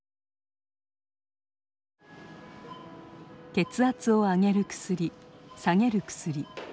血圧を上げる薬下げる薬。